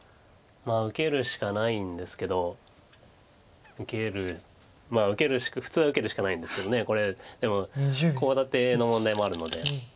まあ受けるしかないんですけど受ける普通は受けるしかないんですけどこれでもコウ立ての問題もあるので。